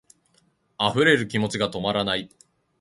溢れる気持ちが止まらない